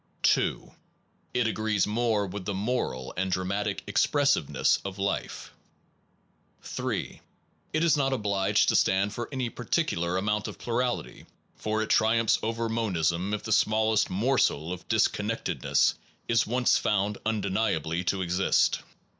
2. It agrees more with the moral and dra matic expressiveness of life. 3. It is not obliged to stand for any particu lar amount of plurality, for it triumphs over monism if the smallest morsel of disconnected ness is once found undeniably to exist.